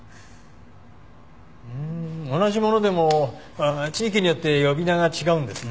ふーん同じものでも地域によって呼び名が違うんですね。